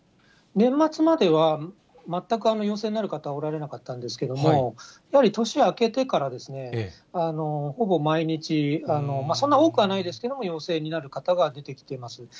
年末までは全く陽性になる方はおられなかったんですけれども、やはり年明けてからですね、ほぼ毎日、そんな多くはないですけども、陽性になる方が出てきてます。